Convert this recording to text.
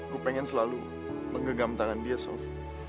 gue pengen selalu menggegam tangan dia sof